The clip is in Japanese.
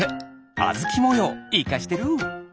あずきもよういかしてる！